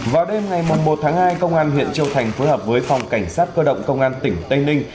vào đêm ngày một tháng hai công an huyện châu thành phối hợp với phòng cảnh sát cơ động công an tỉnh tây ninh